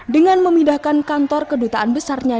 dengan memindahkan kantor kedutaan besarnya